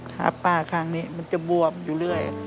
ขาป้าข้างนี้มันจะบวมอยู่เรื่อย